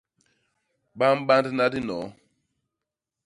Ba mbandna dinoo.